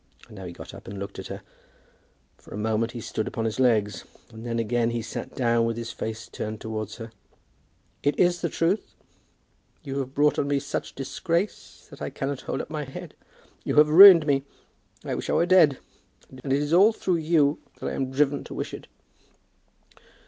And now he got up and looked at her. For a moment he stood upon his legs, and then again he sat down with his face turned towards her. "It is the truth. You have brought on me such disgrace that I cannot hold up my head. You have ruined me. I wish I were dead; and it is all through you that I am driven to wish it."